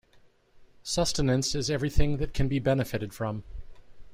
Sustenance is everything that can be benefited from.